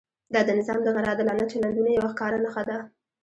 دا د نظام د غیر عادلانه چلندونو یوه ښکاره نښه ده.